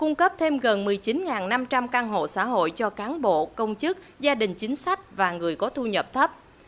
cung cấp thêm gần một mươi chín năm trăm linh căn hộ xã hội cho cán bộ công chức gia đình chính sách và người có thu nhập thấp